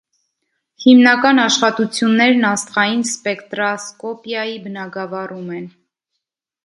Հիմնական աշխատություններն աստղային սպեկտրասկոպիայի բնագավառում են։